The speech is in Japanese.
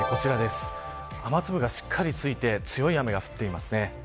雨粒がしっかりと付いて強い雨が降っています。